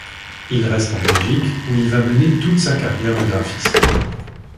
Il reste en Belgique où il va mener toute sa carrière de graphiste.